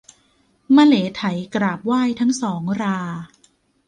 มะเหลไถกราบไหว้ทั้งสองรา